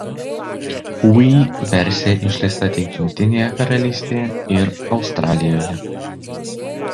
Wii versija išleista tik Jungtinėje Karalystėje ir Australijoje.